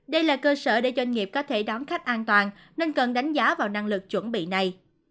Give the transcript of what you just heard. đây là cơ sở để doanh nghiệp có thể đón khách an toàn nên cần đánh giá vào năng lực chuẩn bị này